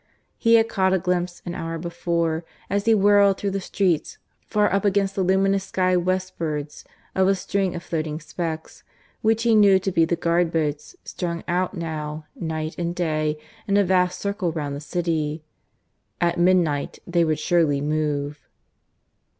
He had caught a glimpse an hour before, as he whirled through the streets, far up against the luminous slay westwards, of a string of floating specks, which he knew to be the guard boats, strung out now, night and day, in a vast circle round the city. At midnight they would surely move.